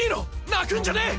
泣くんじゃねえ！